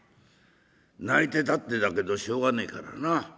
泣いてたってだけどしょうがねえからな。